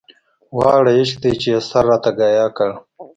واړه عشق دی چې يې سر راته ګياه کړ